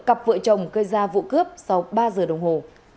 cặp vợ chồng gây ra vụ cướp sau ba giờ đồng hồ